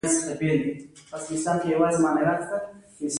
خو دوی نه غواړ چې نور وګړي هم له فرصتونو څخه استفاده وکړي